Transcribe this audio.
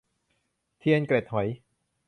เทียนเกล็ดหอย